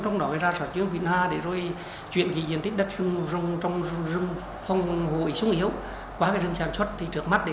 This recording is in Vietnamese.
trong đó là ra soát chung phí